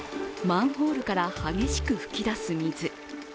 マンホールから激しく噴き出す水。